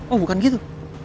oh bukan gitu